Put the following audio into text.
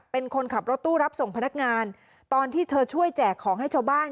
เป็นคนขับรถตู้รับส่งพนักงานตอนที่เธอช่วยแจกของให้ชาวบ้าน